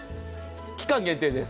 期間限定です。